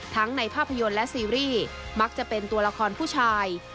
ในภาพยนตร์และซีรีส์มักจะเป็นตัวละครผู้ชาย